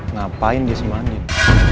ngapain di semanjin